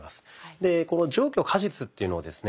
でこの上虚下実っていうのをですね